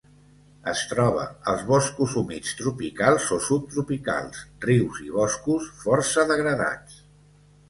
Es troba als boscos humits tropicals o subtropicals, rius i boscos força degradats.